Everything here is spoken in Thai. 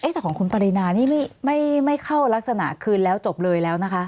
แต่ของคุณปรินานี่ไม่เข้ารักษณะคืนแล้วจบเลยแล้วนะคะ